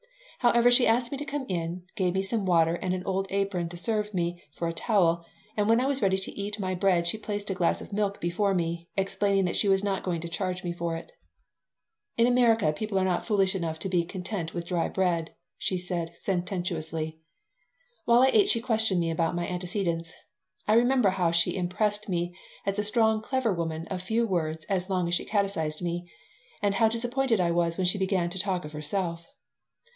However, she asked me to come in, gave me some water and an old apron to serve me for a towel, and when I was ready to eat my bread she placed a glass of milk before me, explaining that she was not going to charge me for it "In America people are not foolish enough to be content with dry bread," she said, sententiously While I ate she questioned me about my antecedents. I remember how she impressed me as a strong, clever woman of few words as long as she catechised me, and how disappointed I was when she began to talk of herself.